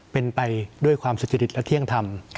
เป็นไปด้วยความสุจริตและเที่ยงธรรม